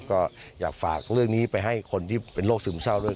ก็อยากฝากเรื่องนี้ไปให้คนที่เป็นโรคซึมเศร้าด้วย